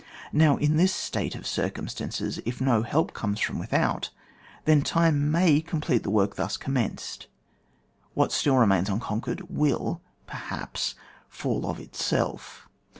Now in this state of circumstances, if no help comes from without, then time may complete the work thus commenced; what still remains unconquered will, perhaps, fall of itself.